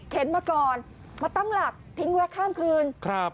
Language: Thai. มาก่อนมาตั้งหลักทิ้งไว้ข้ามคืนครับ